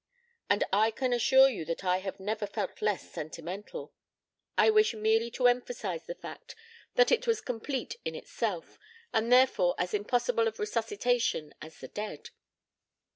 "And I can assure you that I never felt less sentimental. I wish merely to emphasize the fact that it was complete in itself, and therefore as impossible of resuscitation as the dead.